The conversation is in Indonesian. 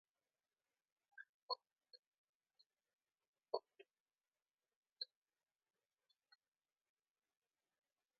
Anakku, berikanlah hatimu kepadaku, dan biarlah matamu memperhatikan jalan-jalanku.